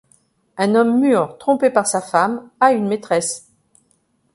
Un homme mûr, trompé par sa femme, a une maîtresse.